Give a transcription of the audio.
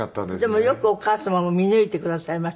でもよくお母様も見抜いてくださいましたね